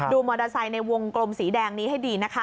มอเตอร์ไซค์ในวงกลมสีแดงนี้ให้ดีนะคะ